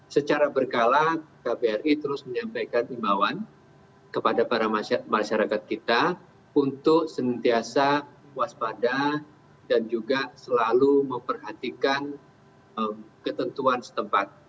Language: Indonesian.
secara berkala kbri terus menyampaikan imbauan kepada para masyarakat kita untuk senantiasa waspada dan juga selalu memperhatikan ketentuan setempat